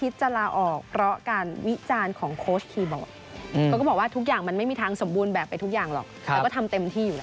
สวัสดีครับนิยะครับ